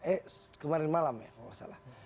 eh kemarin malam ya kalau nggak salah